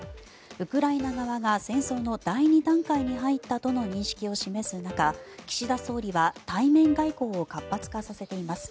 ウクライナ側が戦争の第２段階に入ったとの認識を示す中岸田総理は対面外交を活発化させています。